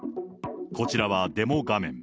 こちらはデモ画面。